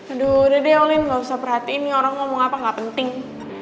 aduh udah deh oline gak usah perhatiin nih orang ngomong apa nggak penting